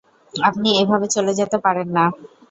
আপনি এভাবে চলে যেতে পারেন না!